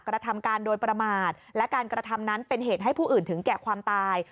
กระทำการโดยประมาทและการกระทำนั้นเป็นเหตุให้ผู้อื่นถึงแก่ความตาย